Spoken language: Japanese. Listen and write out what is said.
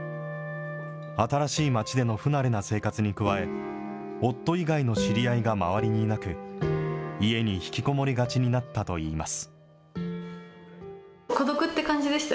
新しい街での不慣れな生活に加え、夫以外の知り合いが周りにいなく、家に引きこもりがちになったといいます。